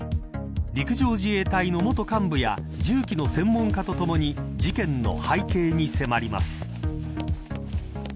陸上自衛隊の元幹部や銃器の専門家とともに事件の背景に迫ります。